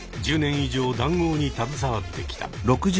１０年以上談合に携わってきた。